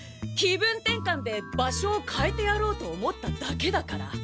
気分転換で場所をかえてやろうと思っただけだから。